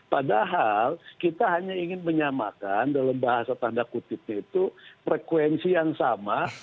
padahal kita hanya ingin menyamakan dalam bahasa tanda kutipnya itu frekuensi yang sama